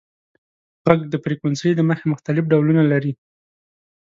• ږغ د فریکونسۍ له مخې مختلف ډولونه لري.